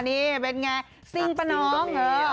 นี่เป็นไงซิ่งปะน้อง